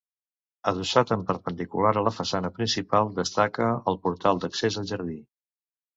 Adossat en perpendicular a la façana principal destaca el portal d'accés al jardí.